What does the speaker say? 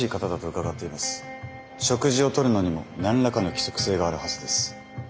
食事をとるのにも何らかの規則性があるはずです。